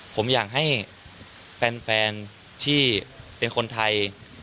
ผมอยากให้แฟนที่เป็นคนไทย